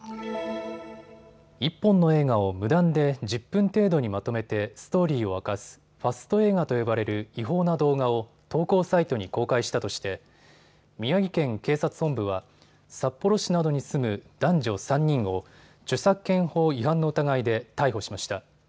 １本の映画を無断で１０分程度にまとめてストーリーを明かすファスト映画と呼ばれる違法な動画を投稿サイトに公開したとして宮城県警察本部は札幌市などに住む男女３人を著作権法違反の疑いで逮捕しました。